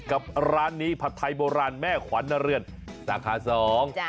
กับร้านนี้ผัดไทยโบราณแม่ขวัญนเรือนสาขาสอง